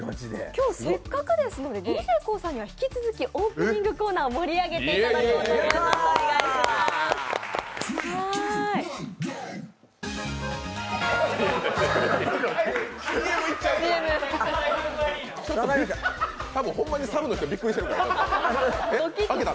今日せっかくですのでＤＪＫＯＯさんには引き続きオープニングコーナーを盛り上げていただこうと思います。